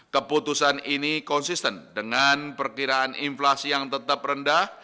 keputusan ini konsisten dengan perkiraan inflasi yang tetap rendah